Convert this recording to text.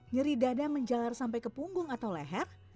nyeri dada menjalar sampai ke punggung atau leher